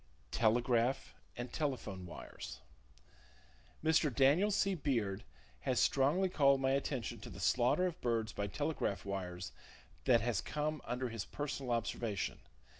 Telegraph And Telephone Wires. —Mr. Daniel C. Beard has strongly called my attention to the slaughter of birds by telegraph wires that has come under his personal observation.